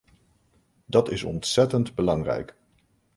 Dat is ontzettend belangrijk!